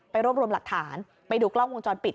รวบรวมหลักฐานไปดูกล้องวงจรปิด